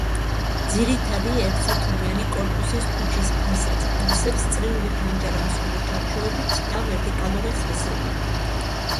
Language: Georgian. ძირითადი ერთსართულიანი კორპუსის ქუჩის ფასადს, ავსებს წრიული ფანჯარა მსხვილი ჩარჩოებით და ვერტიკალური ხაზები.